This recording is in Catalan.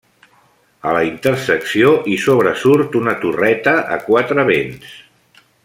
A la intersecció hi sobresurt una torreta a quatre vents.